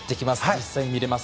実際見れます。